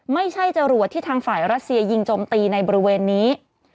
จรวดที่ทางฝ่ายรัสเซียยิงจมตีในบริเวณนี้